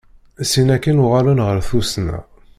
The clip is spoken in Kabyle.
Sin akin uɣalen ɣer tusna.